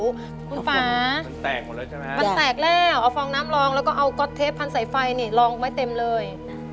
คุณป๊ามันแตกแล้วเอาฟองน้ำรองแล้วก็เอาก็อทเทปพันธุ์ใส่ไฟรองไว้เต็มเลย